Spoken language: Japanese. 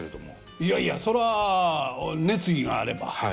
いやいやそら熱意があればうん。